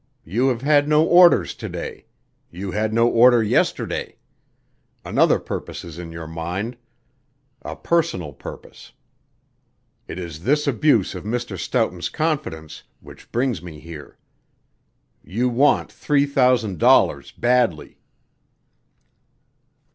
You have had no orders to day; you had no order yesterday. Another purpose is in your mind a personal purpose. It is this abuse of Mr. Stoughton's confidence which brings me here. _You want three thousand dollars badly!